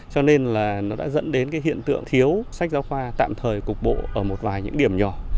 cho nên là nó đã dẫn đến cái hiện tượng thiếu sách giáo khoa tạm thời cục bộ ở một vài những điểm nhỏ